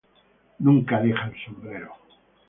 Nunca deja el sombrero.